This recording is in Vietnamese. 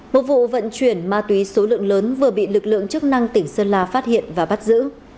một vụ vận chuyển ma túy số lượng lớn vừa bị lực lượng chức năng tỉnh sơn la phát hiện và bắt giữ